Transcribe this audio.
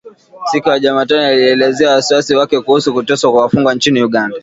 Siku ya Jumatano alielezea wasiwasi wake kuhusu kuteswa kwa wafungwa nchini Uganda.